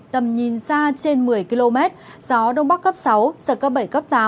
tầm nhìn xa trên một mươi km gió đông bắc cấp sáu giật cấp bảy cấp tám